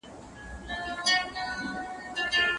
له داسي خبرو ځان وساتئ چي وروسته پېغور جوړيږي.